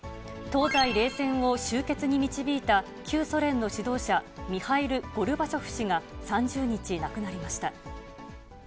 東西冷戦を終結に導いた旧ソ連の指導者、ミハイル・ゴルバチョフ氏が３０日、亡くなりました。